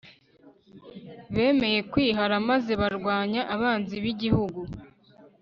bemeye kwihara maze barwanya abanzi b'igihugu